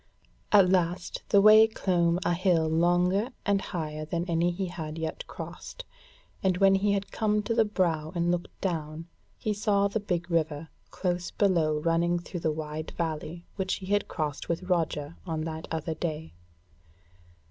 At last the way clomb a hill longer and higher than any he had yet crossed, and when he had come to the brow and looked down, he saw the big river close below running through the wide valley which he had crossed with Roger on that other day.